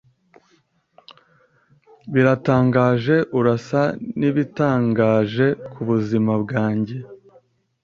Biratangaje, urasa n'ibitangaje kubuzima bwanjye